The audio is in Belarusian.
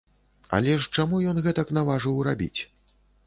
Але ж чаму ён гэтак наважыў рабіць?